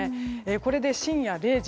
これで、深夜０時。